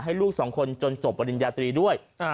ลูกสองคนจนจบปริญญาตรีด้วย